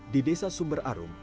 di desa sumber arum